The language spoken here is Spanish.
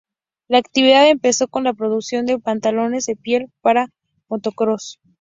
La actividad empezó con la producción de pantalones de piel para motocross.